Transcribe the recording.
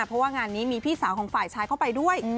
เพราะว่างานนี้มีพี่สาวของฝ่ายชายเข้าไปด้วย